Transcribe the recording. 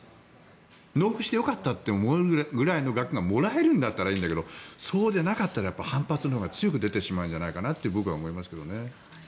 納付してよかったって思えるぐらいの額がもらえるんだったらいいけどそうでなかったら反発のほうが強く出るのではと僕は思いますけどね。